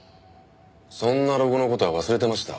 そんなロゴの事は忘れてました。